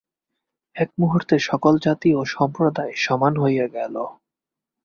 এক মুহূর্তে সকল জাতি ও সম্প্রদায় সমান হইয়া গেল।